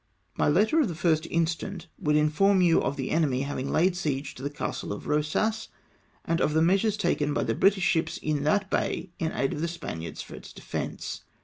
My letter of the 1st instant would inform you of the enemy having laid siege to the castle of Rosas, and of the measures taken by the British ships in that bay in aid of the Spaniards for its defence.